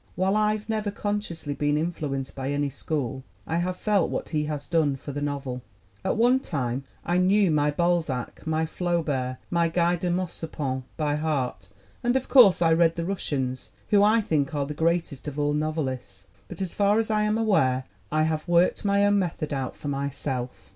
While I've never consciously been influenced by any school, I have felt what he has done for the novel. At one time I knew my Balzac, my Flaubert, my Guy de Maupassant, by heart. And of course I read the Russians, who, I think, are the greatest of all novelists. But as far as I am aware, I have worked my own method out for myself.